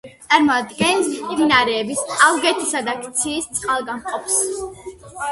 წარმოადგენს მდინარეების ალგეთისა და ქციის წყალგამყოფს.